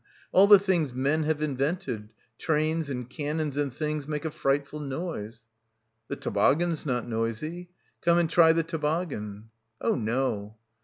All the things men have invented, trains and canons and things make a frightful noise." "The toboggan's not noisy. Come and try the toboggan." "Oh no."